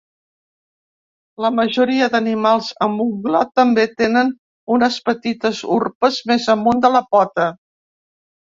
La majoria d'animals amb unglot també tenen unes petites urpes més amunt de la pota.